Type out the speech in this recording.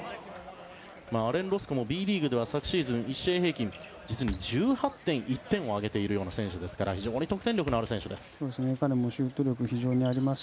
アレン・ロスコもＢリーグでは昨シーズン１試合平均実に１８．１点を挙げているような選手ですから非常に得点力があります。